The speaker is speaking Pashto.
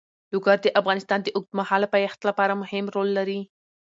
لوگر د افغانستان د اوږدمهاله پایښت لپاره مهم رول لري.